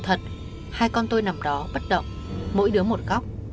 thật hai con tôi nằm đó bất động mỗi đứa một góc